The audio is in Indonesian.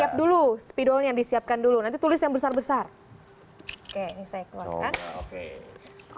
siap dulu spidolnya disiapkan dulu nanti tulis yang besar besar oke ini saya keluarkan oke